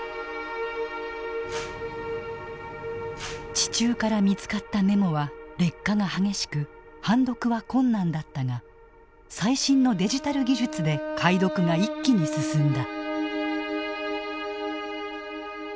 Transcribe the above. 地中から見つかったメモは劣化が激しく判読は困難だったが最新のデジタル技術で解読が一気に進んだ。